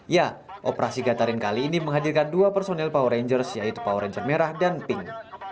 ya operasi gatarin kali ini menghadirkan dua personel power rangers yaitu power ranger merah dan pink